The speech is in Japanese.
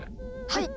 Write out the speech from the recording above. はい！